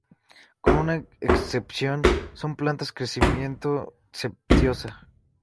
Con una excepción, son plantas crecimiento cespitoso.